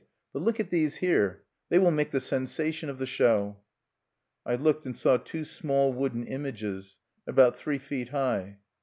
But look at these here: they will make the sensation of the show!" I looked, and saw two small wooden images, about three feet high.